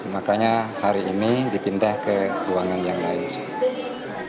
makanya hari ini dipindah ke ruangan yang lain sih